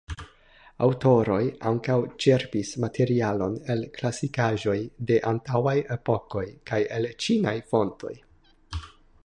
Aŭtoroj ankaŭ ĉerpis materialon el klasikaĵoj de antaŭaj epokoj, kaj el ĉinaj fontoj.